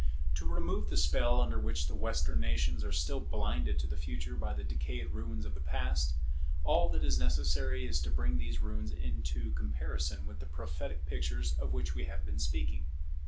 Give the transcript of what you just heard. To remove the spell under which the Western nations are still blinded to the Future by the decayed ruins of the Past, all that is necessary is to bring these ruins into comparison with the prophetic pictures of which we have been speaking.